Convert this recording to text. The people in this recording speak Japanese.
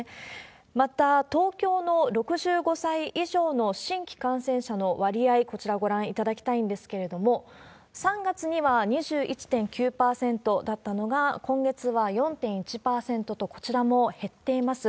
また、東京の６５歳以上の新規感染者の割合、こちらご覧いただきたいんですけれども、３月には２１．９％だったのが、今月は４．１％と、こちらも減っています。